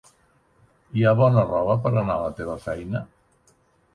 Hi ha bona roba per anar a la teva feina?